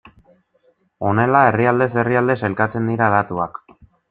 Honela herrialdez herrialde sailkatzen dira datuak.